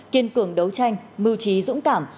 kiên cường đấu tranh mưu trí dũng cảm